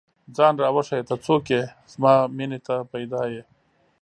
ځان راوښیه، ته څوک ئې؟ زما مینې ته پيدا ې